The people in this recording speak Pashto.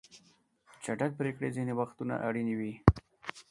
چټک پریکړې ځینې وختونه اړینې وي.